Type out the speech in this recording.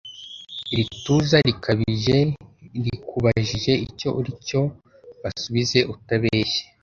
iri tuza rikabijeRikubajije icyo uri cyoBasubize utabeshya!